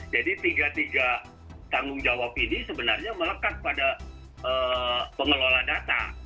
tiga tiga tanggung jawab ini sebenarnya melekat pada pengelola data